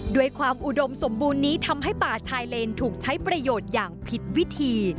ด้วยความอุดมสมบูรณ์นี้ทำให้ป่าชายเลนถูกใช้ประโยชน์อย่างผิดวิธี